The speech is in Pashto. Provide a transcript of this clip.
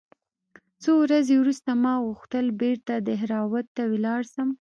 څو ورځې وروسته ما غوښتل بېرته دهراوت ته ولاړ سم.